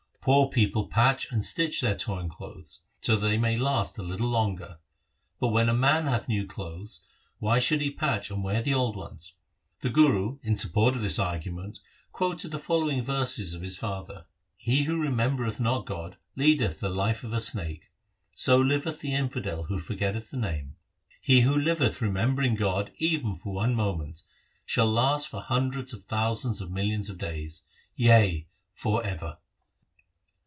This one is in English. Poor people patch and stitch their torn clothes, so that they may last a little longer ; but, when a man hath new clothes, why should he patch and wear the old ones ?' 1 The Guru in support of this argument quoted the following verses of his father :— He who remembereth not God, leadeth the life of a snake ; 2 So liveth the infidel who forgetteth the Name. He who liveth remembering God even for one moment, Shall last for hundreds of thousands and millions of days, yea, for ever.